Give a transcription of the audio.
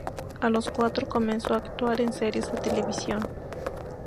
A los cuatro comenzó a actuar en series de televisión.